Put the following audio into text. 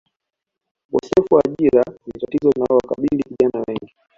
Ukosefu wa ajira ni tatizo linalowakabili vijana wengi